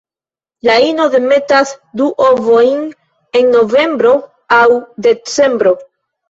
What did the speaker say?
La ino demetas du ovojn en novembro aŭ decembro.